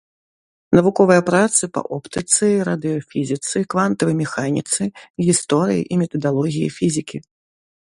Навуковыя працы па оптыцы, радыёфізіцы, квантавай механіцы, гісторыі і метадалогіі фізікі.